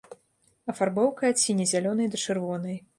Афарбоўка ад сіне-зялёнай да чырвонай.